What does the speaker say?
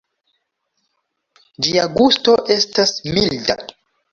Ĝia gusto estas milda.